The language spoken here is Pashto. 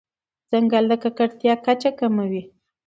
ځنګل د ککړتیا کچه کموي.